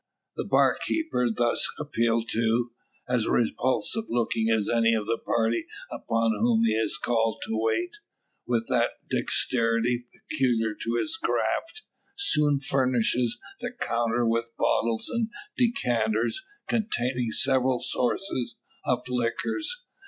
The bar keeper thus appealed to as repulsive looking as any of the party upon whom he is called to wait with that dexterity peculiar to his craft, soon furnishes the counter with bottles and decanters containing several sorts of liquors.